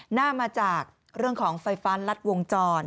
หน้ามาจากเรื่องของไฟฟ้ารัดวงจร